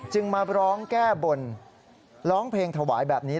มาร้องแก้บนร้องเพลงถวายแบบนี้